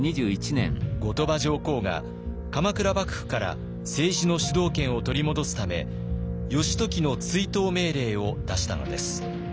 後鳥羽上皇が鎌倉幕府から政治の主導権を取り戻すため義時の追討命令を出したのです。